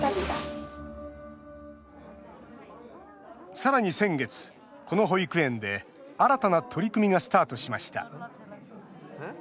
さらに先月、この保育園で新たな取り組みがスタートしました。